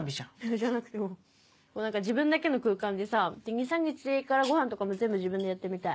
じゃなくてこう自分だけの空間でさ２３日でいいからごはんとかも全部自分でやってみたい。